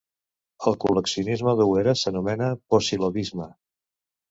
El col·leccionisme d'oueres s'anomena pocilovisme.